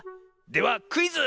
ではクイズ！